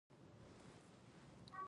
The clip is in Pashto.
د زړورتیا ارزښت د خطر منلو سره تړلی دی.